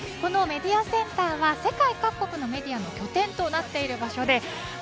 このメディアセンターは世界各国のメディアの拠点となっています。